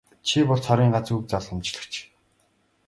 Чи бол миний цорын ганц өв залгамжлагч.